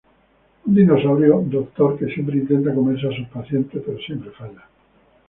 Un dinosaurio doctor que siempre intenta comerse a sus pacientes, pero siempre falla.